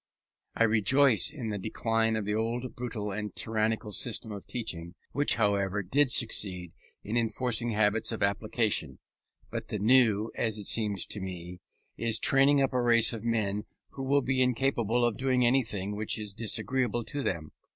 I rejoice in the decline of the old brutal and tyrannical system of teaching, which, however, did succeed in enforcing habits of application; but the new, as it seems to me, is training up a race of men who will be incapable of doing anything which is disagreeable to them.